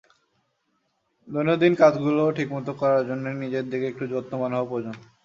দৈনন্দিন কাজগুলো ঠিকমতো করার জন্যই নিজের দিকে একটু যত্নবান হওয়া প্রয়োজন।